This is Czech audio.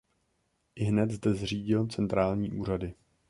Ihned zde zřídil centrální úřady.